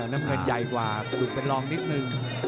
น้ำเงินใหญ่กว่ากระดูกเป็นรองนิดนึง